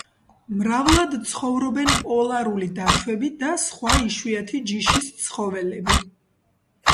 მრავლად ცხოვრობენ პოლარული დათვები და სხვა იშვიათი ჯიშის ცხოველები.